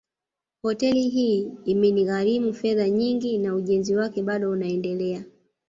Hoteli hii imenigharimu fedha nyingi na ujenzi wake bado unaendelea